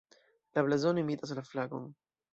La blazono imitas la flagon.